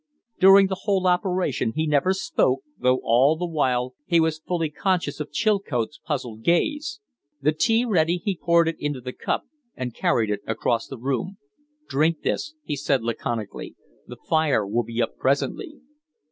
During the whole operation he never spoke, though all the while he was fully conscious of Chilcote's puzzled gaze. The tea ready, he poured it into the cup and carried it across the room. "Drink this!" he said, laconically. "The fire will be up presently."